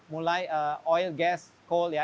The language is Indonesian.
mulai oil gas coal ya